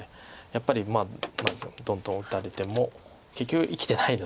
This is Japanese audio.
やっぱりどんどん打たれても結局生きてないので。